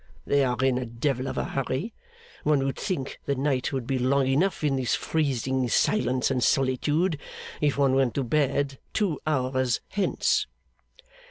They are in a devil of a hurry. One would think the night would be long enough, in this freezing silence and solitude, if one went to bed two hours hence.